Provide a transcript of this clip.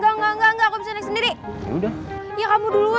rekon doaian enggak enjoying semua